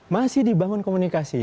masih dibangun komunikasi